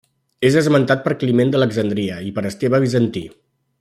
És esmentat per Climent d'Alexandria i per Esteve Bizantí.